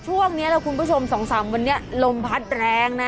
ช่วงนี้นะคุณผู้ชม๒๓วันนี้ลมพัดแรงนะ